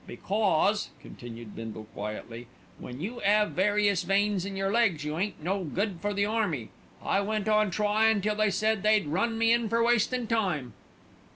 "Because," continued Bindle quietly, "when you 'ave 'various' veins in your legs you ain't no good for the army. I went on tryin' till they said they'd run me in for wastin' time."